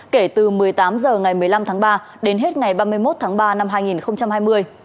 kể từ một mươi tám h ngày một mươi năm tháng ba đến hết ngày ba mươi một tháng ba năm hai nghìn hai mươi